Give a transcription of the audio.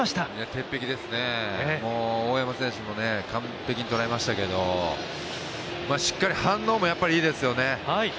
鉄壁ですね、大山選手も完璧にとらえましたけどしっかり反応もやっぱりいいですよね。